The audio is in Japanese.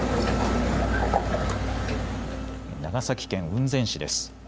長崎県雲仙市です。